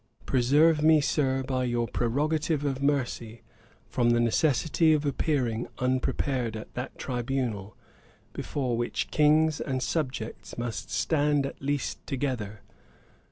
Preserve me, Sir, by your prerogative of mercy, from the necessity of appearing unprepared at that tribunal, before which Kings and Subjects must stand at last together.